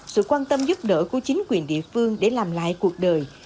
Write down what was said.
sự quan tâm giúp đỡ của chính quyền địa phương để làm lại cuộc đời